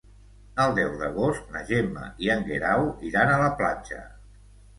El deu d'agost na Gemma i en Guerau iran a la platja.